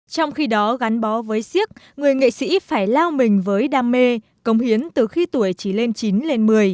trong khi đó gắn bó với siếc người nghệ sĩ phải lao mình với đam mê công hiến từ khi tuổi chỉ lên chín lên một mươi